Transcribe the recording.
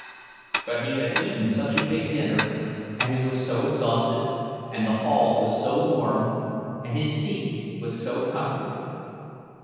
But he had eaten such a big dinner, and he was so exhausted, and the hall was so warm, and his seat was so comfortable!